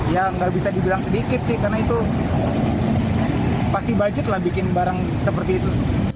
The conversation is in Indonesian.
ya nggak bisa dibilang sedikit sih karena itu pasti budget lah bikin barang seperti itu